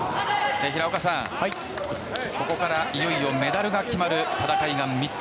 平岡さん、ここからいよいよメダルが決まる戦いが３つ。